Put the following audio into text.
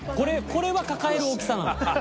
これは抱える大きさなのよ。